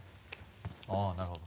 あぁなるほど。